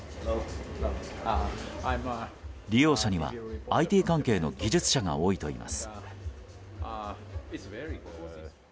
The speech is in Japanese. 利用者にはＩＴ関係の技術者が多いといいます。